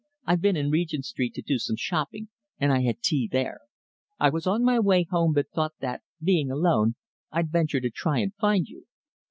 "I've been in Regent Street to do some shopping, and I had tea there. I was on my way home, but thought that, being alone, I'd venture to try and find you."